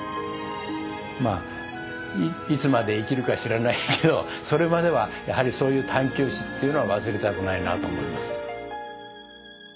まあいつまで生きるか知らないけどそれまではやはりそういう探求心っていうのは忘れたくないなと思います。